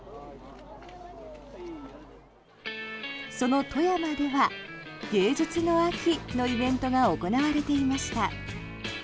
その富山では芸術の秋のイベントが行われていました。